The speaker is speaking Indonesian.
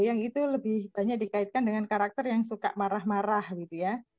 yang itu lebih banyak dikaitkan dengan karakter yang suka marah marah gitu ya